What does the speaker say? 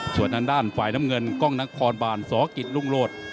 ส่วนด้านฝ่ายน้ำเงินกล้องนักควอลบานสกิศรุ่งโรธ